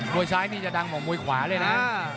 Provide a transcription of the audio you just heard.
วยซ้ายนี่จะดังเหมือนมวยขวาเลยนะ